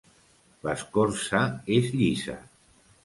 L'escorça és llisa.